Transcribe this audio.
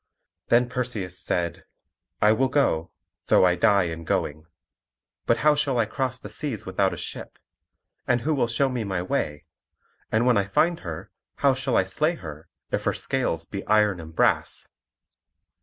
Then Perseus said, "I will go, though I die in going. But how shall I cross the seas without a ship? And who will show me my way? And when I find her, how shall I slay her, if her scales be iron and brass?"